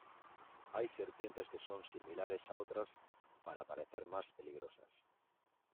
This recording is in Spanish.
Hay serpientes que son similares a otras para parecer más peligrosas.